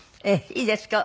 いいですか？